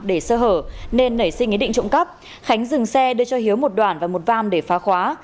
để sơ hở nên nảy sinh ý định trộm cắp khánh dừng xe đưa cho hiếu một đoàn và một vam để phá khóa